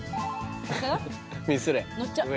ミスれ上。